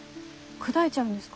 砕いちゃうんですか？